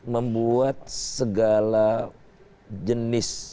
membuat segala jenis